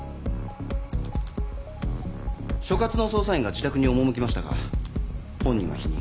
所轄の捜査員が自宅に赴きましたが本人は否認。